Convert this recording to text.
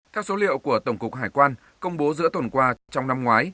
theo số liệu của tổng cục hải quan công bố giữa tuần qua trong năm ngoái